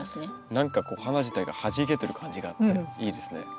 何かこう花自体がはじけてる感じがあっていいですね。